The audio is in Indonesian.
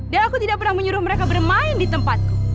dan aku tidak pernah menyuruh mereka bermain di tempatku